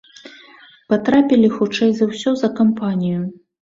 Патрапілі хутчэй за ўсе за кампанію.